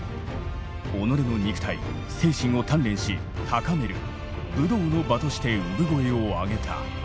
己の肉体・精神を鍛練し高める武道の場として産声を上げた。